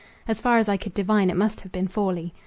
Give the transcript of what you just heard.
As far as I could divine, it must have been Forli.